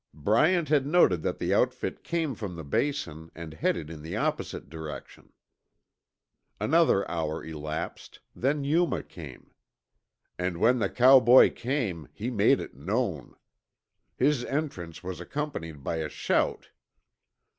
Bryant had noted that the outfit came from the Basin and headed in the opposite direction. Another hour elapsed, then Yuma came. And when the cowboy came he made it known. His entrance was accompanied by a shout.